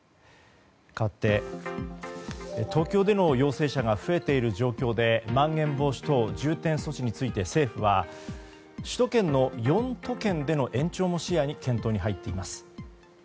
かわって、東京での陽性者が増えている状況でまん延防止等重点措置について政府は首都圏の４都県での延長も視野に検討に入っています。